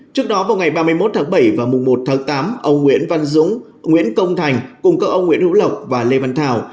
trước đó vào ngày ba mươi một tháng bảy và mùng một tháng tám ông nguyễn văn dũng nguyễn công thành cùng các ông nguyễn hữu lộc và lê văn thảo